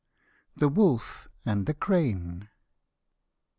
THE WOLF AND THE CRANE.